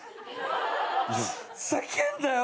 ふざけんなよ